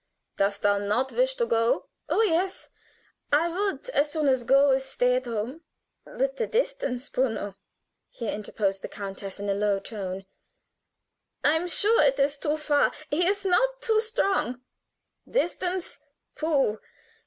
Dost thou not wish to go?" "Oh, yes! I would as soon go as stay at home." "But the distance, Bruno," here interposed the countess, in a low tone. "I am sure it is too far. He is not too strong." "Distance? Pooh!